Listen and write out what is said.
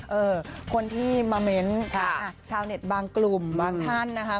คนนี้คนที่บางชาวเน็ตบางกลุ่มบางท่านนะคะ